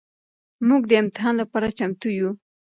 مونږ د امتحان لپاره چمتو يو.